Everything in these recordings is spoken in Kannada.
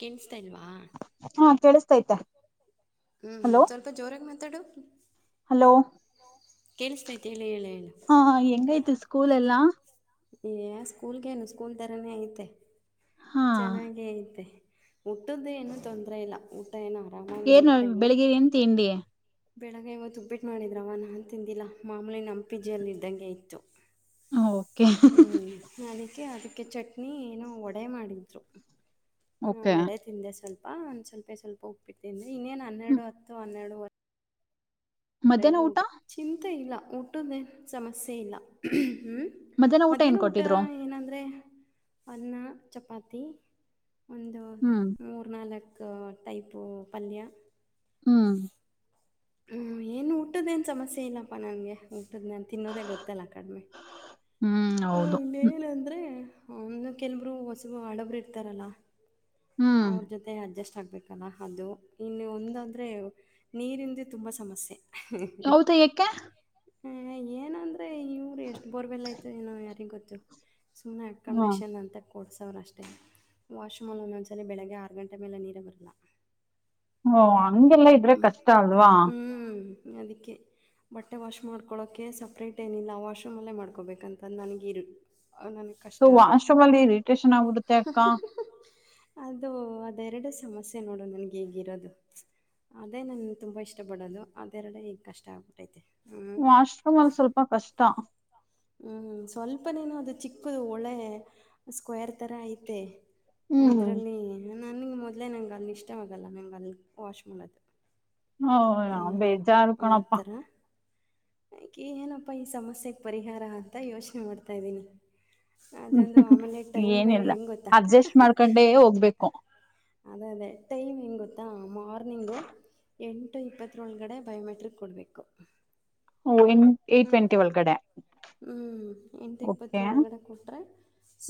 ಕೇಳ್ಸ್ತಾ ಇಲ್ವಾ. ಹಾ ಕೆಲಸತ್ಯತೆ. ಹ್ಮ್ ಸ್ವಲ್ಪ ಜೋರಾಗಿ ಮಾತಾಡು ಹಲೋ ಹಲ್ಲೋ ಕೇಳಿಸತೈತಿ ಹೇಳು ಹೇಳು? [unintelligible] ಹಾಯ್ ಎಂಗೈತೆ ಸ್ಕೂಲ್ ಎಲ್ಲಾ? [inaudible] ಏ ಸ್ಕೂಲ್ಗೇನು ಸ್ಕೂಲ್ ತಾರಾನೇ ಐತೆ ಹಾ ಚೆನ್ನಾಗೇ ಐತೆ! [inaudible] ಊಟದು ಏನೂ ತೊಂದರೆ ಇಲ್ಲ ಊಟ ಏನು ಆರಾಮಾಗಿ ಇದೇ ಟೈಮ್. [inaudible] ಬೆಳಿಗ್ಗೆ ಏನು ತಿಂಡಿ. [inaudible] ಬೆಳಗ್ಗೆ ಇವತ್ತು ಉಪ್ಪಿಟ್ ಮಾಡಿದ್ರಮ್ಮ ನಾನು ತಿಂದಿಲ್ಲ ಮಾಮೂಲಿ ನಮ್ಮ ಪಿಜಿಯಲ್ಲಿ ಇದ್ದಂಗೆ ಇತ್ತು. ಓಕೆ [inaudible] ಹ್ಮ್. [inaudible] ನನಗೆ ಅದಕ್ಕೆ ಚಟ್ನಿ ಏನೋ ವಡೆ ಮಾಡಿದ್ರು ಹ ಓಕೆ ವಡೆ ತಿಂದೆ ಸ್ವಲ್ಪ. [inaudible] ಹಾ ಒಂದು ಸ್ವಲ್ಪ ಸ್ವಲ್ಪ ಉಪ್ಪಿಟ್ ತಿಂದುವಿ ಇನ್ನೇನ್ ಹನ್ನೆರಡು ಹತ್ತು ಹನ್ನೆರಡು ವರೆ. [inaudible] ಹೊರಗೆ ಊಟ ಚಿಂತೆ ಇಲ್ಲ! ಊಟದೇ ಸಮಸ್ಯೆ ಇಲ್ಲ ಹ್ಮ್. [unintelligible] ಮಧ್ಯಾಹ್ನ ಊಟ ಏನಂದ್ರೆ? [inaudible] ಅನ್ನ ಚಪಾತಿ ಒಂದು ಹ್ಮ್ ಮೂರು ನಾಲ್ಕು. [inaudible] ಲೈಕ್ ಟೈಪು ಪಲ್ಯ. [inaudible] ಹ್ಮ್. [inaudible] ಹು ಏನು ಊಟದ್ದೇ ಏನು ಸಮಸ್ಯೆ ಇಲ್ಲಪ್ಪ! ನನಗೆ ಊಟದು ನಾನು ತಿನ್ನೋದೇ ಗೊತ್ತಲ್ಲ ಕಡಿಮೆ. [inaudible] ಹ್ಮ್ ಹೂ ಹೌದು ಇನ್ನೇನಂದ್ರೆ ಅವನು ಕೆಲವೊಬ್ಬರು ಹೊಸಬರು ಇರುತ್ತಾರೆಲ್ಲಾ? [inaudible] ಹ್ಮ್ ಅವರು ಜೊತೆ. [inaudible] ಮತ್ತೆ ಅಡ್ಜಸ್ಟ್ ಆಗ್ಬೇಕಲ್ಲ ಅದು ಇನ್ನು ಒಂದು ಅಂದ್ರೆ ನೀರಿಲ್ಲದೆ ತುಂಬ ಸಮಸ್ಯೆ. [inaudible] ಹೌದು ಯಾಕೆ ಎಇಇ ಏನೋ ಒಂದು! [unintelligible] ಅದೇ ಇವರು ಎಷ್ಟು ಬೋರ್ವೆಲ್ ಆಯ್ತೇ ಏನೋ ಯಾರಿಗೆ ಗೊತ್ತು ಸುಮ್ಮನೆ ಹಾ ಅಕಾಮಿಡೇಶಷನ್ ಅಂತೇ? [inaudible] ಕೊಡ್ಸೋರುಷ್ಟೇ ವಾಶ್ರೂಮಲ್ಲಿ ಒಂದೊಂದ್ಸಲ ಬೆಳಗ್ಗೆ ಆರು ಗಂಟೆ ಮೇಲೆ ನೀರೇ ಬರಲ್ಲ! [inaudible] ಓ ಹಂಗೆಲ್ಲಾ ಇದ್ರೆ ಕಷ್ಟ ಅಲ್ವಾ? [inaudible] ಹೂ ಅದಕ್ಕೆ? [inaudible] ಬಟ್ಟೆ ವಾಶ್ ಮಾಡ್ಕೊಳೋಕ್ಕೆ! ಸಪ್ರೇಟ್ ಏನಿಲ್ಲ ಆ ವಾಶ್ರೂಮಲ್ಲೇ ಮಾಡ್ಕೋಬೇಕಂತಂದು ನನಗ ಇರು. [inaudible] ಹೂ ಎಷ್ಟು? [inaudible] ಸೊ ವಾಶ್ರೂಮ್ ಅಲ್ಲಿ ಇರಿಟೇಷನ್ ಆಗ್ಬಿಡುತ್ತೆ ಅಕ್ಕಾ? [inaudible] ಅದು ಅದೆ ಎರಡು ಸಮಸ್ಯೆ ನೋಡು ನನಗೆ ಹೇಗಿರೋದು! [inaudible] ಅದೇ ನನ್ಗೆ ತುಂಬ ಇಷ್ಟಪಡೋದು ಅದೆರಡೇ ಈಗೆ ಕಷ್ಟ ಆಗ್ಬಿಟ್ಟೈತೆ! [inaudible] ವಶ್ರೂಮಾಲಿ ಸ್ವಲ್ಪ ಕಷ್ಟ. [inaudible] ಹ್ಮ್ ಸ್ವಲ್ಪನೇನೋ ಅದು! ಚಿಕ್ಕದು ಒಳೆ ಸ್ಕ್ವೇರ್ ತರ ಐತೆ. [inaudible] ಹ್ಮ್ ಅದರಲ್ಲಿ ನನಗೆ ಮೊದ್ಲೇ! ನಂಗೆ ಅಲ್ಲಿ ಇಷ್ಟವಾಗಲ್ಲ ನಂಗೆ ಅಲ್ಲಿ ವಾಶ್ ಮಾಡೋದು. [inaudible] ಹ ಹ್ಮ್ ಬೇಜಾರು ಹ ಆ ಕಣಪ್ಪಾ ಆಥರ? [inaudible] ಹಾಕಿ ಏನಪ್ಪಾ ಈ ಸಮಸ್ಯೆಗೆ ಪರಿಹಾರ ಅಂತ ಯೋಚನೆ ಮಾಡ್ತಾ ಇದ್ದೀನಿ. [inaudible] ಅದೊಂದು ಆಮೇಲೆ ಟೈಮ್ ಬೇರೆ ಹೆಂಗ್ ಗೊತ್ತಾ ಹ್ಹಾ.. [unintelligible] ಖಂಡಯ್ಯ ಹೋಗ್ಬೇಕು. [inaudible] ಅದೇ ಅದೇ ಟೈಮ್ ಏನು ಗೊತ್ತಾ ಮಾರ್ನಿಂಗು? [inaudible] ಎಂಟು ಇಪ್ಪತ್ತರೊಳಗಡೆ ಬಯೋಮೆಟ್ರಿಕ್ ಕೊಡಬೇಕು. [inaudible] ವೈನ್. [inaudible] ಹ್ಮ್ ಹ್ಮ್ ಎಂಟು ಓಕೆ ಇಪ್ಪತ್ತರೊಳಗಡೆ ಕೊಟ್ರೆ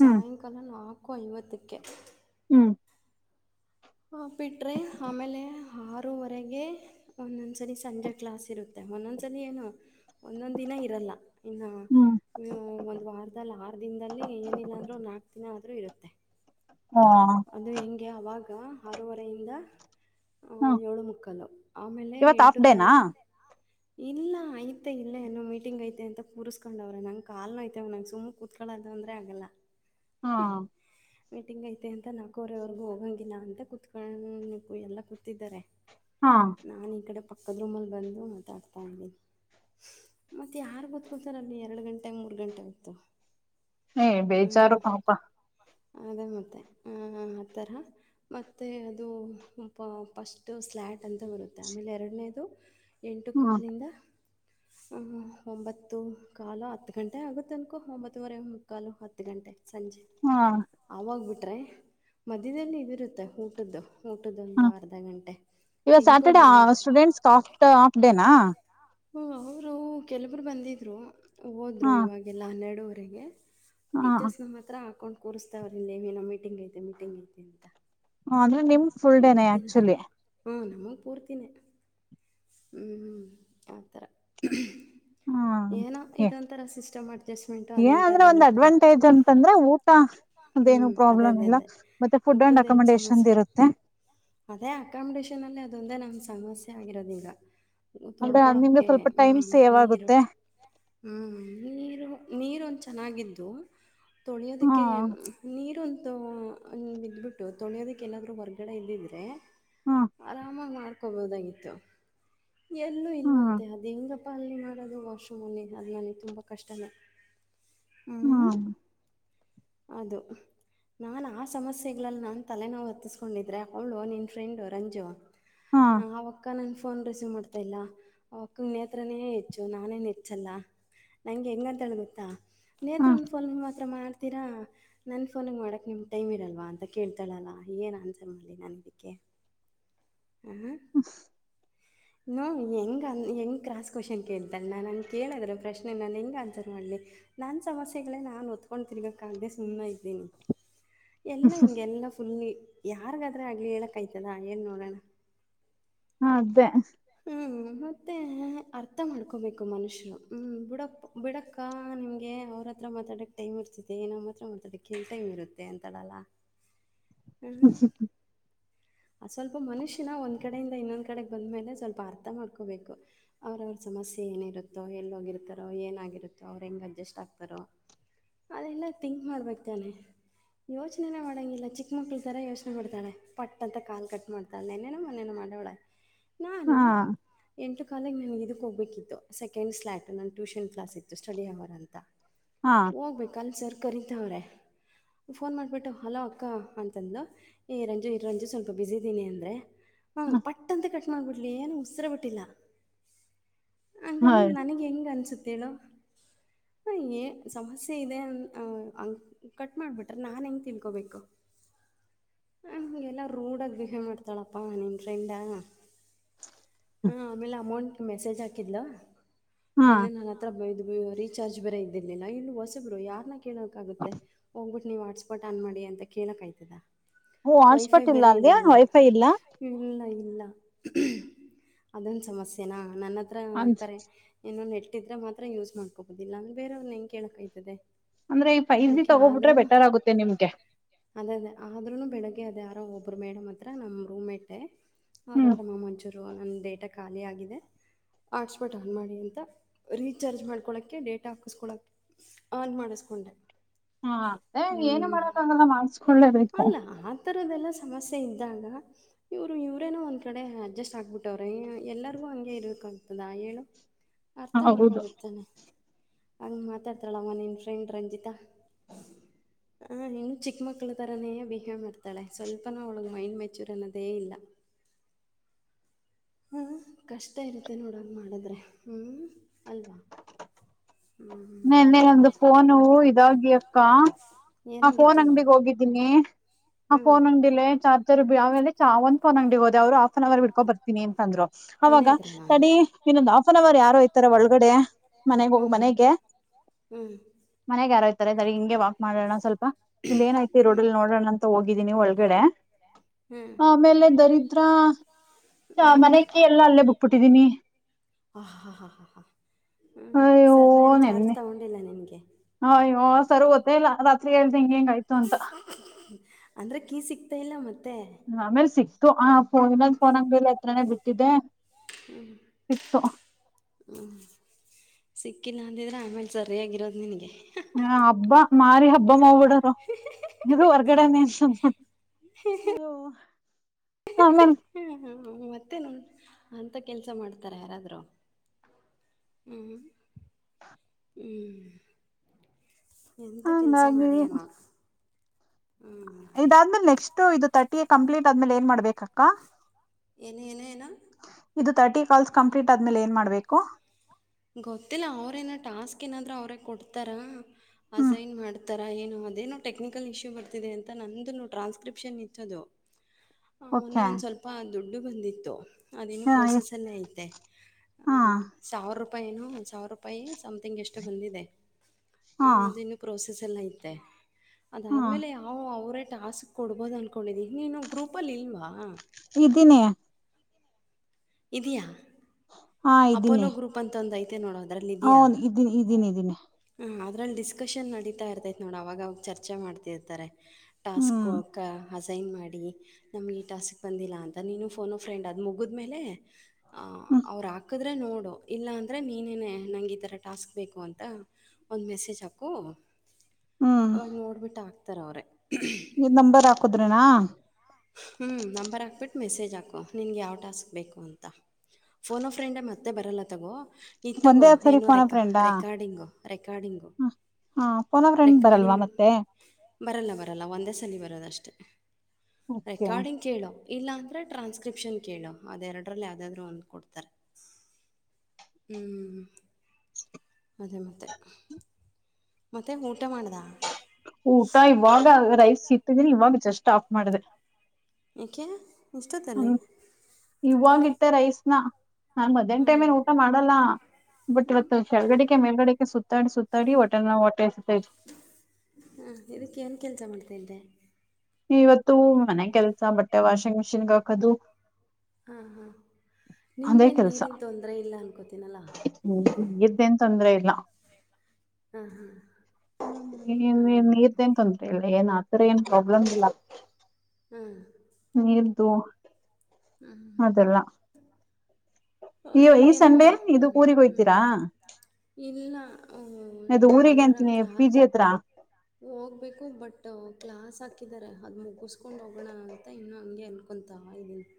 ಹ್ಮ್ [inaudible] ಕಾಲನು ನಾಲ್ಕು ಐವತ್ತಕ್ಕೆ. [inaudible] ಹ್ಮ್. [inaudible] ಆ ಬಿಟ್ಟರೆ ಆಮೇಲೆ ಆರೂವರೆಗೆ. [inaudible] ಒಂದೊಂದ್ಸರಿ ಸಂಜೆ ಕ್ಲಾಸ್ ಇರುತ್ತೆ ಒಂದೊಂದ್ಸರಿ ಏನು? [inaudible] ಒಂದೊಂದು ದಿನ ಇರಲ್ಲ ಇನ್ನು? [inaudible] ಹ್ಮ್ ಒಂದು ವಾರದಲ್ಲಿ ಆರು ದಿನದಲ್ಲಿ ಏನಿಲ್ಲ ಅಂದರೂ ಒಂದು ನಾಲ್ಕು ದಿನ ಆದರೂ ಇರುತ್ತೆ. [inaudible] ಹಾ ಅದು ಹಿಂಗೆ ಅವಾಗ ಆರೂವರೆಯಿಂದ ಅವ ಹ ಏಳು ಮುಕ್ಕಾಲು ಆಮೇಲೆ ಇವತ್ ಎಂಟು ಹಾಫ್ ಕಾಲ ಡೇನಾ ಆದ್ರೆ ಇಲ್ಲ ಐತೆ ಇನ್ನ ಏನೋ ಮೀಟಿಂಗ್ ಐತೆ ಅಂತ ಕೂರ್ಸ್ಕೊಂಡವ್ರ ನನ್ನ ಕಾಲ ನೋಯತವ ನಂಗ ಸುಮ್ ಕೂ ಕಳೋದು ಅಂದ್ರೆ ಆಗಲ್ಲ. ಹಾ ಮೀಟಿಂಗ ಐ ಮ ಅಂತ ನಾಕೋವರೆವರ್ಗು ಹೋಗಂಗಿಲ್ಲ ಅಂತ ಕೂತ್ಕೊಂಡ ಎಲ್ಲಾ ಕೂತಿದ್ದಾರೆ. ಹಾ ನಾನ ಈ ಕಡೆ ಪಕ್ಕದ ರೂಮಲ್ಲಿ ಬಂದು ಮಾತಾಡ್ತಾ ಇದ್ದೀನಿ. ಮತ್ತ ಯಾರ್ ಕುತ್ಕೊತಾರ ಅಲ್ಲಿ ಎರಡ ಗಂಟೆ ಮೂರ್ ಗಂಟೆ ಹೊತ್ತು. ಏ ಬೇಜಾರು ಹ್ಮ ಪಾಪ ಅದೇ ಮತ್ತೆ ಹ ಆತ್ತರ ಮತ್ತೆ ಅದು ಪ ಫಸ್ಟ್ ಸ್ಲ್ಯಾಟ್ ಅಂತ ಬರುತ್ತೆ ಆಮೇಲ ಎರಡನೇದು. ಎಂಟು ಹ್ಮ ಕಾಲಿಂದ ಹ್ಮ ಒಂಬತ್ತು ಕಾಲ ಹತ್ತು ಗಂಟೆ ಆಗುತ್ತೆ ಅನ್ಕು ಒಂಬತ್ತುವರೆ ಕಾಲು ಹತ್ತ ಗಂಟೆ ಸಂಜೆ. ಹಾ ಆವಾಗಬಿಟ್ರೆ ಮಧ್ಯ್ಯದಲ್ಲಿ ಇದಿರುತ್ತೆ ಊಟದ್ದು. ಊಟದೊಂದ ಅರ್ಧ ಗಂಟೆ. ಇವತ್ತ ಸ್ಯಾಟರ್ಡೇ ತಿನ್ಕೊಂಬರ್ಬೋದು ಸ್ಟೂಡೆಂಟ್ಸ್ ಆಫ ಆಫ್ಡೇನಾ. ಹ್ಮ ಅವರು ಕೆಲವರು ಬಂದಿದ್ರು ಹ ಹೋದ್ರು ಇವಾಗೆಲ್ಲ ಹನ್ನೆರಡೂವರೆಗೆ ಹ ಟೀಚರ್ಸನ ಮಾತ್ರ ಹಾಕೊಂದ ಕೂರಿಸ್ತಾವ್ರ ಇಲ್ಲಿೇವೇನೋ ಮೀಟಿಂಗ್ ಐತೆ ಮೀಟಿಂಗ್ ಐತೆ ಅಂತ. ಆದ್ರೆ ನಿಮ್ ಫುಲ್ ಡೇನೆ ಗೊತ್ತಿಲ್ಲ. ಆಕ್ಚುಲಿ ಹಾ ಹಾ ಪೂರ್ತಿನೇ ಹ್ಮ ಹ್ಮ ಆಥರ ಹ್ಮ. ಏ ಅಡ್ಜಸ್ಟ್ಮೆಂಟು ಎ ಅದೊಂಥರ ಅಂದ್ರೆ ಒಂದ ಅನ್ನೋ ಥರ ಅಡ್ವಾಂಟೇಜ್ ಅಂತಂದ್ರೆ ಊಟ ಹ್ಞೂ ಅದೇನು ಅದೇ ಪ್ರಾಬ್ಲಮ್ ಅದೇ ಇಲ್ಲ ಅದೇ ಮತ್ತೆ ಫುಡ್ ಅಂಡ್ ಊಟದ್ದೇನು ಅಕಮಡೇಶನ್ ದ ಸಮಸ್ಯೆ ಇರುತ್ತೆ. ಅದೇ ಅಕಾಮಿಡೇಶನ್ ಅಲ್ಲಿ ಅದೊಂದೇ ನಮಗ ಸಮಸ್ಯೆ ಆಗಿರೋದ ಈಗ. ಅಂದ್ರೆ ನಿಮ್ಗೆ ತೊಳ್ಕೊಳಕ್ಕೆ ಸ್ವಲ್ಪ ಟೈಮ್ ಹ್ಮ ಸೇವ್ ನೀರು. ಆಗುತ್ತೆ ಹ್ಮ ನೀರ ನೀರೊಂದ ಚೆನ್ನಾಗಿದ್ದು ಹ್ಮ ತೊಳಿಯೋದಕ್ಕೆ ನೀರ ಒಂದ ಬಿದ್ಬಿಟ್ಟು ತೊಳಿಯೋದಕ್ಕೆ ಎಲ್ಲಾದ್ರು ಹೊರ್ಗಡೆ ಇದ್ದಿದೆ. ಎ ಹ್ಮ್ ಆರಾಮಾಗಿ ಮಾಡ್ಕೋಬೊದಾಗಿತ್ತು. ಎಲ್ಲೂ ಹ್ಮ್ ಇಲ್ವಂತೆ ಅದ ಹೆಂಗ ಪಾಲನೆ ಮಾಡೋದು ವಾಶ್ರೂಮಲ್ಲಿ ಅದು ನಂಗ ತುಂಬಾ ಕಷ್ಟನೇ ಹ್ಮ. ಹ್ಮ್ ಅದು ನಾನ್ ಆ ಸಮಸ್ಯೆಗಳಲ್ಲಿ ನಾನ್ ತಲೆನೋವ ಹತ್ತಸ್ಕೊಂಡಿದ್ರೆ ಅವ್ಳು ನಿನ್ ಫ್ರೆಂಡು ರಂಜು ಹ್ಮ್ ನಾವ ಅಕ್ಕ ನನ್ನ ಫೋನ್ ರಿಸೀವ್ ಮಾಡ್ತಾ ಇಲ್ಲ ಅವಕ್ಕ ನೇತ್ರನೇ ಹೆಚ್ಚು ನಾನೇನ ಹೆಚ್ಚಲ್ಲ. ನಂಗ ಹೆಂಗಂತಳ ಗೊತ್ತಾ ಹಾ ನೇತ್ರ ಫೋನ್ ಮಾತ್ರ ಮಾಡ್ತ ತ್ತೀರ ನನ್ನ ಫೋನಿಗ ಮಾಡಕ್ಕ ನಿಮ್ಗ ಟೈಮ್ ಇರಲ್ವಾ ಅಂತ ಕೇಳ್ತಾಳಲ್ಲ ಏನ ಆನ್ಸರ್ ಮಾಡ ಲ್ಲಿ ನಾನಿದಕ್ಕೆ ಹ್ಮ [inaudible] ಹ್ಮ ಹೆಂಗ ಹೆಂಗ ಕ್ರಾಸ್ ಕ್ವಶನ್ ಕೇಳ್ತಳೆ ನಾನ ಹಂಗ ಕೇಳಿದ್ರೆ ಪ್ರಶ್ನೆ ನಾನ ಹೆಂಗ ಆನ್ಸರ್ ಮಾಡಲಿ. ನನ್ನ ಸಮಸ್ಯೆಗಳೇ ನಾನ ಒತ್ಕೊಂಡ ತಿರ್ಬೇಕಾಗ್ದೆ ಸುಮ್ಮನೆ ಇದ್ದೀನಿ. ಎಲ್ಲಾ ಹಿಂಗೆ ಎಲ್ಲಾ ಫುಲ್ಲ ಯಾರಿಗಾದ್ರೆ ಆಗ್ಲಿ ಹೇಳಕ್ ಆಯ್ತದ ಹೇಳ್ ನೋಡೋಣ. ಹಾ ಅದೇ? [inaudible] ಹ್ಮ್ ಮತ್ತೆ ಅರ್ಥ ಮಾಡ್ಕೊಬೇಕು ಮನುಷ್ಯನು ಹ್ಮ್ ಬೀಡಾ ಬಿಡಕ್? [inaudible] ಅಕ್ಕ ನಿಮ್ಗೆ ಅವ್ರ ಹತ್ರ ಮಾತಾಡಕ್ ಟೈಮ್ ಇರ್ತಿದೆ! ನಮ್ಮ ಹತ್ರ ಮಾತಾಡಕ್ಂ ಟೈಮ್ ಇರುತ್ತೆ ಅಂತಳಲ್ಲ? [inaudible] [unintelligible] [inaudible] ಹ್ಮ್ ಆ ಸ್ವಲ್ಪ ಮನುಷ್ಯನ! ಒಂದ್ ಕಡೆಯಿಂದ ಇನ್ನೊಂದ್ ಕಡೆಗೆ ಬಂದ್ಮೇಲೆ? [inaudible] ಸ್ವಲ್ಪ ಅರ್ಥ ಮಾಡ್ಕೋಬೇಕು? [inaudible] ಆಮೇಲೆ ಸಮಸ್ಯೆ ಏನಿರುತ್ತೋ ಎಲ್ಲೋಗಿರ್ತಾರೋ ಏನಾಗಿರುತ್ತೋ! ಅವ್ರು ಹೆಂಗೆ ಅಡ್ಜಸ್ಟ್ ಆಗ್ತಾರೋ? [inaudible] ಅದೆಲ್ಲ ಥಿಂಕ್ ಮಾಡ್ಬೇಕು ತಾನೆ? [inaudible] ಯೋಚನೆನ ಮಾಡೋಂಗಿಲ್ಲ ಚಿಕ್ಕ ಮಕ್ಳ ತರ ಯೋಚನೆ ಮಾಡ್ತಾಳೆ! ಪಟ್ ಅಂತ ಕಾಲ್ ಕಟ್ ಮಾಡು. [inaudible] ನೆನ್ನೆನೋ ಮೊನ್ನೆ ಮಾಡವ್ಳೆ ನಾನು. ಹಾ [unintelligible] ಎಂಟು ಕಾಲಕ್ಕೆ ನನಗೆ ಇದಕ್ಕೆ ಹೋಗ್ಬೇಕಿತ್ತು ಸೆಕಂಡ್ ಸ್ಲ್ಯಾಟ್ ನು ಟ್ಯೂಷನ್ ಕ್ಲಾಸ್ ಇತ್ತು ಸ್ಟಡಿ ಅವರ್ ಅಂತ? [inaudible] ಹಾ! [inaudible] ಹೋಗ್ಬೇಕ ಅಲ್ಲಿ ಸರ್ ಕರೀತವ್ರೆ ಫೋನ್ ಮಾಡಿಬಿಟ್ಟು ಹಲೋ ಅಕ್ಕ ಅಂತ ಅಂದ್ಲು. [inaudible] ಏ ಇರೋದು ಇರೋದು ಸ್ವಲ್ಪ ಬಿಸಿದ್ದೀನಿ ಅಂದರೆ! [inaudible] ಹ್ಮ ಹ ಪಟ್ಟಂತ ಕಟ್ ಮಾಡ್ಬಿಡ್ಲಿ ಏನು ಉಸಿರೆ ಬಿಟ್ಟಿಲ್ಲ. [inaudible] ಹಂಗಂದ್ರೆ ನನಗ್ ಹೆಂಗ್ ಅನಿಸುತ್ತೆ ಹೇಳು? [inaudible] [inaudible] [unintelligible] ಹ ಏ ಸಮಸ್ಯೆ ಇದೆ ಅ ಹಂಗು ಕಟ್ ಮಾಡುಬಿಟ್ರೆ ನಾ ಹೆಂಗ್ ತಿನ್ಕೊಬೇಕು? [inaudible] [inaudible] [unintelligible] ಹಾಯ್ ಏನೋ ರೂಡಗಿ ಬಿಹೇವ್ ಮಾಡ್ತಾಳಪಾ ನೀನೂ ಫ್ರೆಂಡ? [inaudible] ಹೂ ಆಮೇಲೆ ಅಮೌಂಟ್ ಮೆಸೇಜ್ ಹಾಕಿದ್ಲ ಹಾ ಏನು ನಂಗೆ. [inaudible] ಇದು ರೀಚಾರ್ಜ್ ಬೇರೆ ಇದ್ದರ್ಲಿಲ್ಲ! ಇನ್ನು ಹೊಸಬರು ಯಾರನ್ನ ಕೇಳಕ್ ಆಗುತ್ತೆ ಹೋಗ್ಬಿಟ್ಟ. [inaudible] ನೀವು ಹಾಟ್ಸ್ಪಾಟ್ ಆನ್ ಮಾಡಿ ಅಂತ ಕೇಳಕೆ ಆಯ್ತದ ಓ ವೈಫೈ ಹಾಟ್ಸ್ಪಾಟ್ ಬೇರೆ ಅಲ್ಲಿ ಇಲ್ಲ ಇನ್ನ. ವೈಫೈ ಇಲ್ಲ [inaudible] ಇಲ್ಲ ಇಲ್ಲ ಅದೊಂದು ಸಮಸ್ಯೆನಾ! ನನ್ನ ಹತ್ರ ಅಂದ ಕರೆ. [unintelligible] ಏನೋ ನೆಟ್ ಇದ್ರೆ ಮಾತ್ರ ಯೂಸ್ ಮಾಡ್ಕೋಬೋಹುಧು! ಅಂದ್ರ ಬೆರೆಯವರನ ಹೆಂಗು ಕೇಳಕ್ ಆಗುತ್ತೆ? [inaudible] ಅಂದ್ರೆ ಈ ಫೈಜಿ ತಗೋಬಿಟ್ರೆ ಬೆಟರ್ ಆಗುತ್ತೆ ನಿಮ್ಗೆ! [inaudible] ಅದೇ ಅದೇ ಆದ್ರೂನು ಬೆಳಿಗ್ಗೆ ಅಧ್ಯರೋ ಒಬ್ಬರು ಮೇಡಮ್ ಹತ್ರ ನಮ್ಮ ರೂಮ್ಟೇ ಅವ್ರತ್ರ. [inaudible] ಹ್ಮ್ ಶುರು ನಮ್ಮ ಡೇಟಾ ಖಾಲಿ ಆಗಿದೆ. [inaudible] ಆಟ್ಸ್ಬಟ್ ಆನ್ ಮಾಡಿ ಅಂತ ರೀಚಾರ್ಜ್ ಮಾಡ್ಕೊಳೋಕ್ಕೆ ಡೇಟಾ ಹಾಕಿಸ್ಕೊಳೋಕ್ಕೆ. [inaudible] ಆನ್ ಮಾಡಿಸ್ಕೊಂಡೆ. [inaudible] ಹಾ ಅದೇ ಏನು ಮಾಡಕಂಗಲ್ಲ ಮಾಡ್ಸ್ಕೊಲೇಬೇಕು? [inaudible] ಥರದದೆಲ್ಲ ಸಮಸ್ಯೆ ಇದ್ದಾಗ ಇವ್ರು ಇವ್ರೇನೋ ಒಂದು! [inaudible] ಕಡೆ ಅಡ್ಜಸ್ಟ್ ಆಗ್ಬಿಟ್ಟವ್ರೀ! ಎಲ್ಲರಿಗೂ ಹಂಗೆ ಇರಕ್ಗಗ್ತದಾ ಹೇಳು? [inaudible] ಅರ್ಥ ಹೌದು ಮಾಡ್ಕೋಬೇಕು ತಾನೇ! ಹಂಗು ಮಾತಾಡ್ತಾಳೆ ಅಲ್ಲ ನಮ್ ಫ್ರೆಂಡ್ ಅಂದ್ರೆ ಹ್ಯಾಂಗ್ ಈತ. [inaudible] [inaudible] [unintelligible] ಹ ಇನ್ನು ಚಿಕ್ಕ ಮಕ್ಳ ಥರನೇ! ಬಿಹೇವ್ ಮಾಡ್ತಾಳೆ ಸ್ವಲ್ಪನು ಅವಳಗೆ ಮೈಂಡ್ ಮೆಚ್ಯೂರ್ ಅನ್ನೋದೇ ಇಲ್ಲ? [inaudible] ಹ ಕಷ್ಟ ಇರುತ್ತೆ ನೋಡೋಕ ಮಾಡಿದ್ರೆ ಹೂ ಅಲ್ವಾ? [inaudible] ಹ್ಞೂ ನೆನ್ನೆ ಒಂದು ಫೋನು ಇದಾಗಿ ಅಕ್ಕ ಆ ಫೋನ್ ಏನಾಗಿತ್ತು ಅಂಗಡಿಗೆ ಹೋಗಿದ್ದ್. [inaudible] ಡುಮ್ಮಿ ಹೋಗಿದ್ದೀನಿ. ಆ ಹ್ಞೂ ಫೋನ್ ಅಂಗಡಿಲಿ ಚಾರ್ಜರ್ ಬಿ ಆಮೇಲೆ. [inaudible] ಚಾವಂತ ಅಂಗಡಿ ಹೋದೆ ಅವರು ಹಫ್ನ್ ಅವರ್ ಬಿಡ್ಕೊ ಬರ್ತೀನಿ ಅಂದರು? [inaudible] ಮನೆ ಅವಾಗ ಹತ್ರನಾ ತಡಿ ಇನ್ನೊಂದ್ ಹಾಫ್ ಅನ್ ಅವರ್ ಯಾರೋ ಹೋಗುತಾರೋ ಒಳಗಡೆ ಮನೆಗೆ ಹೋಗ ಮನೆಗೆ? [inaudible] ಹ್ಮ್. [unintelligible] ಮನೆಗೆ ಯಾರೋಯ್ತಾರೆ ಸರಿ ಹಿಂಗೆ ವಾಕ್ ಮಾಡೋಣ ಸ್ವಲ್ಪ ಇನ್ನ ಏನುವೈತ್ಹೆ. [inaudible] ಈ ರೋಡ್ಲ್ಲಿ ನೋಡೋಣ ಅಂತ ಹೋಗಿದ್ದೀನಿ ಒಳಗಡೆ? [inaudible] ಹ್ಞೂ ಆಮೇಲೆ ದರಿದ್ರ ಹ್ಞೂ ಮನೆಗೆ ಎಲ್ಲ ಅಲ್ಲೇ ಮನೆ ಕೀ ಹೇಳಾ ಅಲ್ಲೇ ಬಿಟ್ಟುಬಿಟ್ಟಿದ್ದೇನಿ. [inaudible] [unintelligible] ಹ್ಮ ಅಯ್ಯೋ ಸರ ಏನ್ ಚಾರ್ಜ್ ನೆನ್ನೆ ತಗೊಂಡಿಲ್ಲ ನಿನ್ಗೆ ಅಯ್ಯೋ ಸರ್ ಗೊತ್ತೇ ಇಲ್ಲ ರಾತ್ರಿ ಹೇಳ್ದ ಹಿಂಗಿಂಗ ಆಯ್ತು ಅಂತ. ಅಂದ್ರೆ ಕೀ ಸಿಕ್ತಾ ಇಲ್ಲ ಮತ್ತೆ ಆಮೇಲ ಸಿಕ್ತು ಆ ಫೋನ ಫೋನ್ಂಗ್ಮೇಲೆ ಹತ್ರನೆ ಬಿಟ್ಟಿದ್ದೆ. ಹ್ಮ. ಸಿಕ್ತು. ಹ್ಮ. ಸಿಕ್ಕಿಲ್ಲ ಅಂದಿದ್ರೆ ಆಮೇಲ ಸರಿಯಾಗಿರೋದು ನಿನಿಗೆ ಹ ಹಬ್ಬ ಮಾರಿ ಹಬ್ಬ ಮಾಡ್ಬಿದೋರು ಇರು ಹೊರ್ಗಡೆನೇ [inaudible] ಹಾ ಮ್ಯ ಹ್ಮ ಹ್ಮ ಮತ್ತೇನು ಅಂತ ಕೆಲ್ಸ ಮಾಡ್ತಾರ ಯಾರಾದ್ರು ಹ್ಮ ಹ್ಮ ಎಂತ ಕೆಲ್ಸ ಹಂಗಾಗಿ ಮಾಡಿಯ ನೋಡ್ ಹ್ಮ. ಇದಾದ್ಮೇಲೆ ನೆಕ್ಸ್ಟ್ ಇದು ತರ್ಟಿ ಕಂಪ್ಲೀಟ್ ಆದ್ಮೇಲೆ ಏನ್ ಮಾಡ್ಬೇಕಕ್ಕಾ. ಏನು ಏನ ಏನು. ಇದ ತರ್ಟಿ ಕಾಲ್ಸ್ ಕಂಪ್ಲೀಟ್ ಆದ್ಮೇಲೆ ಏನ್ ಮಾಡ್ಬೇಕು. ಗೊತ್ತಿಲ್ಲ ಅವ್ರೇನ ಟಾಸ್ಕ್ ಏನಾದ್ರೂ ಅವರೇ ಕೊಡ್ತಾರ ಹ್ಮ್ ಅಝೈನ್ ಮಾಡ. ತರ ಏನು ಅದೇನೋ ಟೆಕ್ನಿಕಲ್ ಇಶ್ಯೂ ಬರ್ತಿದೆ ಅಂತ ನಂದು ಟ್ರಾಸ್ಕ್ರಿಪ್ಷನ್ ಇತ್ತದು. ಆ ಮೊನ್ನೆ ಓಕೆ ಒಂದ ಸ್ವಲ್ಪ ದುಡ್ಡು ಬಂದಿತ್ತು ಅದೇನು ಹಾ ಪ್ರೋಸೆಸ್ಸಲ್ಲೇ ಐತೆ. ಹಾ ಸಾವಿರ ರೂಪಾಯನು ಸಾವಿರ ರೂಪಾಯಿ ಸಮ್ಥಿಂಗ್ ಎಷ್ಟು ಬಂದಿದೆ. ಹಾ ಹ ಅದಿನ್ನು ಪ್ರೋಸೆಸಲ್ಲ ಐತೆ ಹಾ ಅದಾದ್ಮೇಲೆ ಆ ಹ್ಮ್ ಅವರೇ ಟಾಸ್ಕ್ ಕೊಡ್ಬೋದು ಅಂದ್ಕೊಂಡಿದ್ದೀನೀ ಗ್ರೂಪಲ್ಲಿ ಇಲ್ವಾ. ಇದ್ದೀನಿ. ಇದೀಯಾ. ಹಾ ಇದ್ದೀನಿ. ಅಂತ ಅಂದ ಐತೆ ನೋಡು ಅದ್ರಲ್ಲ ಇದಿಯಾ. ಹನ್ ಇದ್ದೀನಿ ಇದ್ದೀನಿ ಇದ್ದೀನಿ ಹ ಅದ್ರಲ್ಲಿ ಡಿಸ್ಕಶನ್ ನಡತಾ ಇರ್ತೈತ್ ನೋಡು ಅವಾಗ ಅವ ಚರ್ಚೆ ಮಾಡ್ತಿರ್ತಾರೆ. ಹ್ಮ್ ಟಾಸ್ಕೋಕ ಆಸೈನ್ ಮಾಡಿ ನಮಗೆ ಈ ಟಾಸ್ಕ್ ಬಂದಿಲ್ಲ ಅಂತ ನೀನು ಫೋನೋ ಫ್ರೆಂಡ್ ಅದು ಮುಗದ್ಮೇಲೆ ಆ ಹ್ಮ್ ಅವ್ರ ಹಾಕಿದ್ರೆ ನೋಡು ಇಲ್ಲ ಅಂದರೆ ನೀನೇನೆ ನಂಗೆ ಈ ಥರ ಟಾಸ್ಕ್ ಬೇಕು ಅಂತ ಒಂದ ಮೆಸೇಜ್ ಹಾಕು ಹ್ಮ್ ಅವಾಗ ನೋಡಿಬಿಟ್ಟ ಹಾಕ್ತಾರ ಅವ್ರೇ. ಈ ನಂಬರ್ ಹಾಕುದ್ರನಾ ಹ್ಞೂ ನಂಬರ್ ಹಾಕ್ಬಿಟ್ಟ ಮೆಸೇಜ್ ಹಾಕು ನಿಂಗ ಯಾವ ಟಾಸ್ಕ್ ಬೇಕು ಅಂತ. ಫೋನ್ ಅ ಫ್ರೆಂಡ್ ಮತ್ತೆ ಬರಲ್ಲ ತಗೋ. ಈತ್ತಗೋ ಒಂದೇ ಸರಿ ಏನೋ ಫೋನ ರೆಕ ಫ್ರೆಂಡಾ ರೆಕಾರ್ಡಿಂಗು ರೆಕಾರ್ಡಿಂಗು. ಹಾ ಪುನ ರೆಕಾರ್ಡಿಂಗ್ ಬರಲ್ಲ ಬರಲ್ಲ ಒಂದೇ ಸಲಿ ಬರೋದ ಅಷ್ಟೇ. ಓಕೆ ರೆಕಾರ್ಡಿಂಗ್ ಕೇಳು. ಇಲ್ಲಾಂದರೆ ಟ್ರಾನ್ಸ್ಕ್ರಿಪ್ಷನ್ ಕೇಳು ಅದ ಎರಡರಲ್ಲಿ ಯಾವದಾದ್ರು ಒಂದ ಕೊಡ್ತಾರ. ಹ್ಞೂ ಅದೇ ಮತ್ತೆ ಮತ್ತೆ ಊಟ ಮಾಡ್ದ. ಊಟ ಇವಾಗ ರೈಸ್ ಇತ್ತಿದೀನಿ ಇವಾಗ ಜಸ್ಟ್ ಆಫ್ ಮಾಡದೆ. ಏಕೆ ಇಷ್ಟತಲ್ಲಿ ಇವಾಗ ಇಟ್ಟ ರೈಸ್ ನಾನ್ ಮಧ್ಯಾಹ ಹ್ಞೂ ಟೈಮೇ ಊಟ ಹ್ಞೂ ಮಾಡ ನೋಡಲ್ಲ ಬಟ್ ಹಾಂ ಇವತ್ತು ಕೆಲಡಗೇಕಿ ಮೇಲ್ಗಡೆಗೆ ಸುತ್ತಾಡಿ ಸುತ್ತಾಡಿ ಹೊಟ್ಟೆ ನೋವು ಹೊಟ್ಟೆಸತೈತಿ.. [unintelligible] ಹಾಂ ಇದಕ್ಕೆೇ ಏನು ಕೆಲಸ ಮಾಡ್ತಿದ್ದೆ? [unintelligible] ಇವತ್ತು ಮನೆ ಕೆಲ್ಸ ಬಟ್ಟೆ ವಾಷಿಂಗ್ ಮಿಷಿನ್ ಹಾಕದು! [inaudible] ಹಾ ಹಾ ನಿಮ್ಗೇನು ನೀರಿನ ತೊಂದರೆ ಇಲ್ಲ ಅನ್ಕೋತೀನಲ್ಲಾ! [inaudible] ಹ್ಮಇವರದು ಏನು ತೊಂದ್ರೆ ಇಲ್ಲ! [unintelligible] ಹಾಂ ಹಾಂ ಇನ್ನು ಅದೇ ಏನ್ನ್ ಅದೇ ನಿರುದು ಏನು ತೊಂದರೆ ಇಲ್ಲ ಏನ್ ಆತರ ಏನ್ ಪ್ರಾಬ್ಲಮ್ ಇಲ್ಲ. [unintelligible] ಹ್ಮ. [inaudible] ನಿರುದ್ಹು. [inaudible] ಹ್ಮ್ ಹ್ಮ. [inaudible] ಏ ಈ ಈ ಅದಕ್ಕೆ ನಾವ ಸಂಡೆ ಹ್ಞೂ ಇದು ಹ್ಞೂ ಊರಿಗೋಯ್ತೀರಾ? [inaudible] ಇಲ್ಲ ಹ. [inaudible] ಇದು ಊರಿಗೆ ಅಂತೀನಿ ಪಿ ಜಿ. ಗೆ ಹತ್ರ? [inaudible] ಹೋಗ್ಬೇಕು ಬಟ್ ಕ್ಲಾಸ್ ಹಾಕಿದ್ದಾರೆ ಅದು ಮುಗಿಸ್ಕೊಂಡು ಹೋಗೋಣ! ಅಂತ ಇನ್ನು ಹಂಗೆ ಅನ್. [inaudible] ಒಂದು ತಕೊಂಡು ಹೋಗು. [inaudible]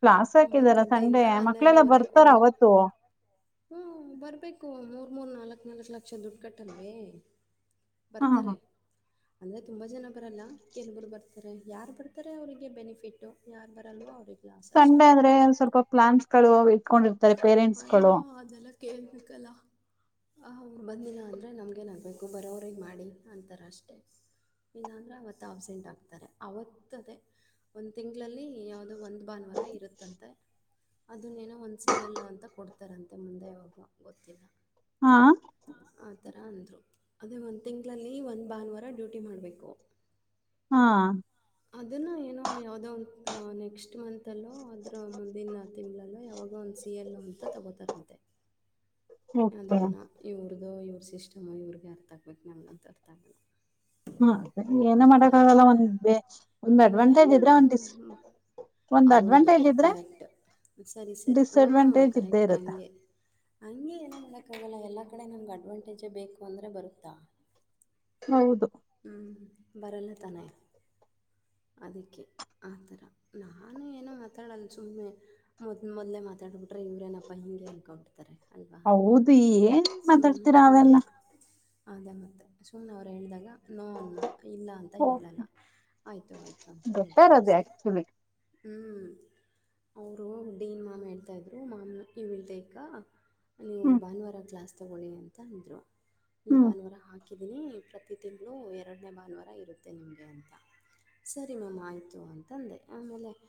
ಕ್ಲಾಸ್ ಹಾಕಿದಾರ ಸಂಡೆ ಮಕ್ಳೆಲ್ಲ ಬರ್ತಾರ ಅವತ್ತು? [inaudible] ಹೂ ಬರಬೇಕು ಮೂರು ಮೂರು ನಾಲ್ಕು ನಾಲ್ಕು ಲಕ್ಷ ದುಡ್ಡು ಕಟ್ಟಲ್ವ? [inaudible] ಬರ್ತಾರೆ? ಹ [inaudible] ಅಂದ್ರೆ ತುಂಬಾ ಜನ ಬರಲ್ಲ ಕೆಲವರು ಬರ್ತಾರೆ ಯಾರು ಬರ್ತಾರೆ! ಅವರಿಗೆ ಬೆನಿಫಿಟ್ ಯಾರು ಬರಲ್ವೋ ಅವ್ರಿಗೆ? [inaudible] ಸಂಡೆ ಅಂದ್ರೆ ಸ್ವಲ್ಪ ಪ್ಲಾನ್ಸ್ ಗಳು ಇಟ್ಕೊಂಡಿರ್ತಾರೆ ಪೇರೆಂಟ್ಸ್ಗಳು. [inaudible] ಕೆಲ್ಲುಬೇಕುಅಲ್ಲ. [inaudible] ಅವರು ಬಂದಿಲ್ಲ ಅಂದರೆ! ನಮಗೇನ ಆಗಬೇಕು ಬರೋವ್ರರಿಗೆ ಮಾಡಿ ಅಂತಾರೆ ಅಷ್ಟೇ. [inaudible] ಇಲ್ಲಾಂದರೆ ಅವತ್ತು ಅಬ್ಸೆಂಟ್ ಆಗ್ತಾರೆ ಆತ್ತದೆೇ? [inaudible] ಒಂದು ತಿಂಗಳಲಿ ಯಾವುದೋ ಒಂದ್ ಭಾನುವಾರ ಇರುತ್ತಂತೆ ಅದನ್ನೇನೋ ಒಂದು. [inaudible] ಸಿ ಎಲ್ ಅಂತ ಕೊಡ್ತಾರಂತೆ ಮುಂದೆ ಯವಾಗ ಗೊತ್ತಿಲ್ಲ? [inaudible] ಹಾ. [inaudible] ಆತರ ಅಂದ್ರು ಅದೇ ಒಂದ್ ತಿಂಗಳಲ್ಲಿ ಒಂದ್ ಭಾನುವಾರ ಡ್ಯೂಟಿ ಮಾಡ್ಬೇಕು? [inaudible] ಹಾ. [inaudible] ಅದನ್ನ ಏನೋ ಯಾವದೋ ಒಂದು ನೆಕ್ಸ್ಟ್ ಮತ್ಲ್ಲೋ ಅದ್ರ ಮುಂದಿನ ತಿಂಗಳಲ್ಲೋ ಯಾವಾಗ ಒಂದು. [inaudible] ಟಿ ಎಲ್ ಅಂತ ತೊಗೋತಾರಂತೆ. [inaudible] ಅಧಿಯೇನೊ ಓಕೆ ಏನೋ ಇವ್ರದ್ದು ಇವ್ರ ಸಿಸ್ಟಮು ಇವ್ರಿಗೆ ಅರ್ಥ ಆಗ್ಬೇಕು ನಮಗಂತ ಅರ್ಥ ಆಗೋಲ್ಲ. [inaudible] ಹ್ಮ ಏನ ಮಾಡಕ್ ಆಗಲ್ಲ! ಒಂದ್ ಬೇ ಒಂದ್ ಇನ್ನೇನು ಅಡ್ವಾಂಟೇಜ್ ಇದ್ರೆ ಡಿಸ್. [inaudible] ಮಾಡೋಕ್ಕೂ ಒಂದ್ ಹೌದು ಅಡ್ವಾಂಟೇಜ್ ಇದ್ರೆ ಕರೆಕ್ಟ್! ಸರಿ ಸರಿ ಹಾ ಡಿಸ್ಅಡ್ವಾಂಟೇಜ್ ಇದ್ದೇ ಕರೆಕ್ಟ್ ಇರುತ್ತೆ ಹಂಗೆ? [inaudible] ಹೇ ಏನೂ ಮಾಡೋಕ್ಕಾಗಲ್ಲ ಎಲ್ಲ ಕಡೆ ನಂಗೆ ಅಡ್ವಾಂಟೇಜೇ ಬೇಕು ಅಂದರೆ ಬರುತ್ತಾ? [inaudible] ಹೌದು. [inaudible] ಹೂ ಬರಲ್ಲ ತಾನೇ. [inaudible] ಅದಕ್ಕೆ ಆ ಥರ ನಾನು ಏನೋ ಮಾತಾಡಲ್ಲ ಸುಮ್ಮನೆ. [inaudible] ಹೌದು ಮೋಧುಮೋಧಲ್ಲೇ ಮತ್ಹ್ಯಾಡು ಬಿಟ್ರೆ ಇವ್ರೇನಪ್ಪಾ ಹಂಗೆ ಅನ್ಕೊಡ್ತಾರೆ ಅಲ್ವಾ? [inaudible] ಹೌದು ಈ. [inaudible] ಸುಮನೆ ಹ್ಮ್ ಅದೇ ಮತ್ತೆ ಸುಮ್ನೆ ಅವ್ರು ಹೇಳಿದಾಗ? [inaudible] ಲೋನ್ನ ಇಲ್ಲ ಅಂತ ಓ ಹೇಳಲ್ಲ ಆಯ್ತು ಆಯ್ತು ಅಂತ ಬೆಟರ್ ಹೇಳುತ್ಹಿನಿ ಅದು ಅಷ್ಟೇ. ಆಕ್ಚುಲಿ [inaudible] ಹ್ಮ್. [inaudible] ಅವರು ಡೀನ್ ಮಾಮ್ ಹೇಳ್ತಾ ಇದ್ರು ಮಾಮ್ ಈ ವಿಲ್ತೇಕ? [inaudible] ನೀವು ಹ್ಮ್ ಭಾನುವಾರ ಕ್ಲಾಸ್ ತಗೊಳ್ಳಿ! ಅಂತ ಅಂದರು ಈ ಹ್ಮ್ ಭಾನುವಾರ ಹಾಕಿ. [inaudible] ಹಾಕಿದೀನಿ ಪ್ರತಿ ತಿಂಗಳು ಎರಡನೇ ಭಾನುವಾರ ಇರುತ್ತೆ ನಿಮ್ಗೆ ಅಂತ? [inaudible] ಸರಿ ಮ್ಯಾಮ್ ಆಯಿತು ಅಂತಂದೆ ಆಮೇಲೆ! [inaudible]